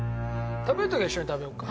食べる時は一緒に食べようか。